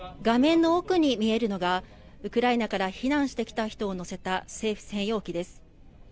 画面の奥に見えるのがウクライナから避難してきた人を乗せた政府専用機です。